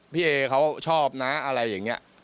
พี่เอเขาชอบนะอะไรอย่างนี้